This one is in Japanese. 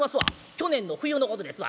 去年の冬のことですわ。